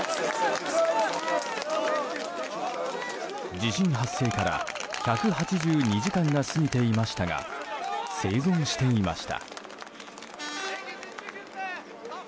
地震発生から１８２時間が過ぎていましたが生存していました。